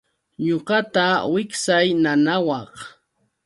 Ñuqata wiksay nanawaq.